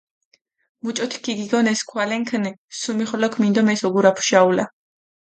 მუჭოთი ქიგეგონეს სქუალენქჷნი, სუმიხოლოქ მინდომეს ოგურაფუშა ულა.